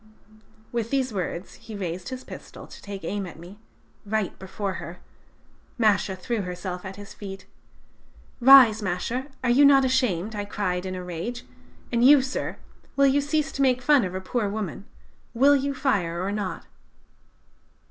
"With these words he raised his pistol to take aim at me right before her! Masha threw herself at his feet. "'Rise, Masha; are you not ashamed!' I cried in a rage: 'and you, sir, will you cease to make fun of a poor woman? Will you fire or not?'